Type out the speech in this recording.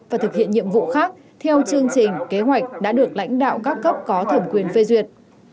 và thực hiện nhiệm vụ khác theo chương trình kế hoạch đã được lãnh đạo các cấp có thẩm quyền phê duyệt